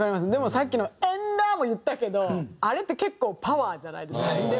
さっきの「ＡｎｄＩ」も言ったけどあれって結構パワーじゃないですか。